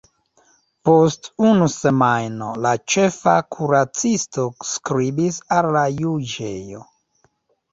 Post unu semajno la ĉefa kuracisto skribis al la juĝejo.